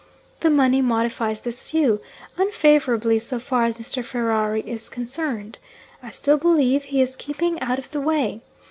The money modifies this view unfavourably so far as Mr. Ferrari is concerned. I still believe he is keeping out of the way.